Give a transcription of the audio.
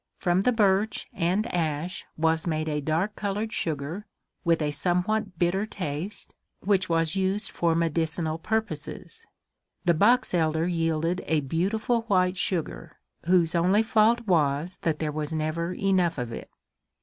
From the birch and ash was made a dark colored sugar, with a somewhat bitter taste, which was used for medicinal purposes. The box elder yielded a beautiful white sugar, whose only fault was that there was never enough of it!